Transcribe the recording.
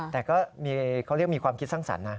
แต่ก็มีเขาเรียกมีความคิดสร้างสรรค์นะ